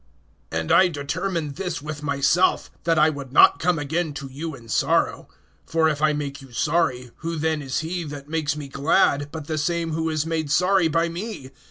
AND I determined this with myself, that I would not come again to you in sorrow. (2)For if I make you sorry, who then is he that makes me glad, but the same who is made sorry by me?